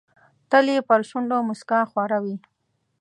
تل یې پر شونډو موسکا خوره وي.